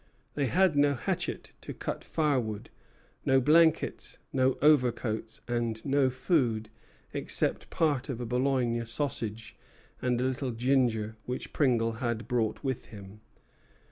They had no hatchet to cut firewood, no blankets, no overcoats, and no food except part of a Bologna sausage and a little ginger which Pringle had brought with him.